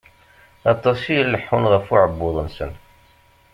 Aṭas i ileḥḥun ɣef uεebbuḍ-nsen.